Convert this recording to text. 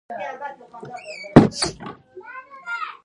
آیا الله قوی دی؟